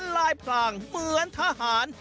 ลายพรางเหมือนทหาร